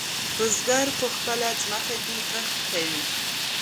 بزگر په خپله ځمکه کې کښت کوي.